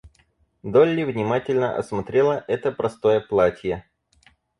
Долли внимательно осмотрела это простое платье.